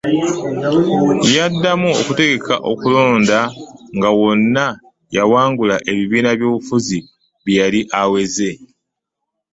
Yaddamu okutegeka okulonda nga wonna y’awangula ebibiina by’obufuzi bye yali aweze.